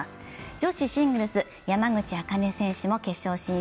女子シングルス、山口茜選手も決勝進出。